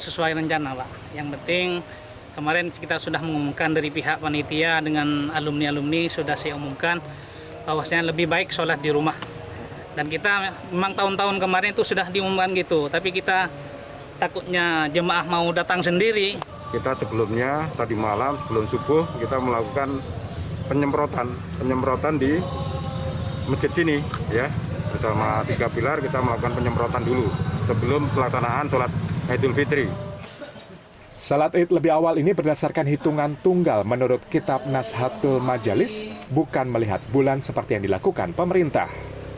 salat iqt lebih awal ini berdasarkan hitungan tunggal menurut kitab nasihatul majalis bukan melihat bulan seperti yang dilakukan pemerintah